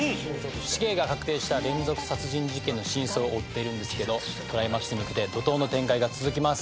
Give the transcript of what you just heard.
死刑が確定した連続殺人事件の真相を追ってるんですけどクライマックスに向けて怒濤の展開が続きます。